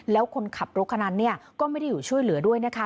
แล้วคนขับรถคนนั้นเนี่ยก็ไม่ได้อยู่ช่วยเหลือด้วยนะคะ